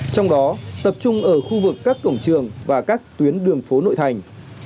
trong đó tập trung ở khu vực các cổng trường và các tuyến đường phố nội thành